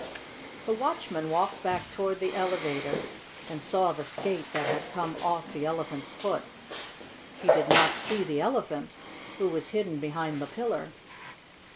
The watchman walked back toward the elevator, and saw the skate that had come off the Elephant's foot. He did not see the Elephant who was hidden behind the pillar.